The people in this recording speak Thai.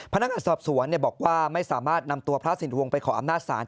พนักงานสอบสวนบอกว่าไม่สามารถนำตัวพระสินวงศ์ไปขออำนาจศาล